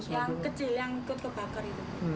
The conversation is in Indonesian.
yang kecil yang kebakar itu